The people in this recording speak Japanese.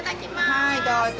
はいどうぞ。